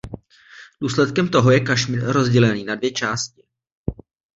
Důsledkem toho je Kašmír rozdělený na dvě části.